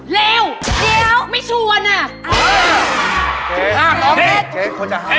เลวเดี๋ยวไม่ชวนอ่ะอือ